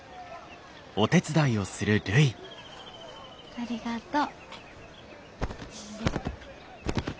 ありがとう。